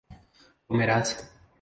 comerás